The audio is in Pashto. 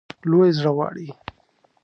لوی زړه غواړي.